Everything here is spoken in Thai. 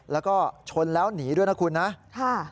แล้วก็ชนแล้วหนีด้วยนะคุณนะ